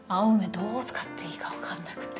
どう使っていいか分かんなくて。